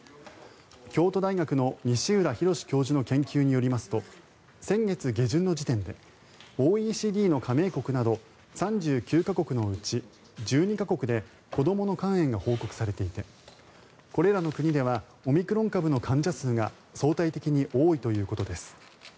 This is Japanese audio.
京都大学の西浦博教授の研究によりますと先月下旬の時点でＯＥＣＤの加盟国など３９か国のうち１２か国で子どもの肝炎が報告されていてこれらの国ではオミクロン株の患者数が相対的に多いということです。